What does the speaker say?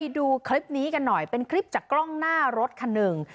ดูคลิปนี้กันหน่อยเป็นคลิปจากกล้องหน้ารถคันหนึ่ง